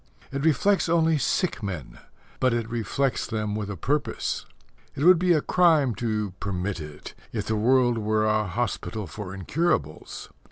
It reflects only sick men; but it reflects them with a purpose. It would be a crime to permit it, if the world were a hospital for incurables.